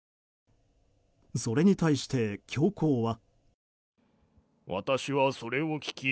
それに対して、教皇は。